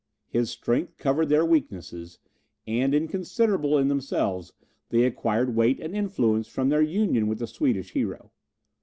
His strength covered their weakness, and, inconsiderable in themselves, they acquired weight and influence from their union with the Swedish hero.